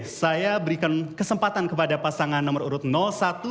oke saya berikan kesempatan kepada pasangan nomor urut satu